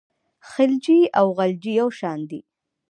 خلجي او غلجي یو شان دي.